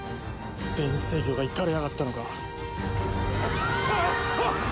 電子制御がイカれやがったのか？